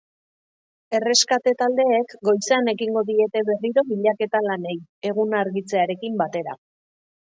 Erreskate taldeek goizean ekingo diete berriro bilaketa lanei, eguna argitzearekin batera.